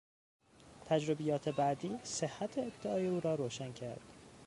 تجربیات بعدی، صحت ادعای او را روشن کرد.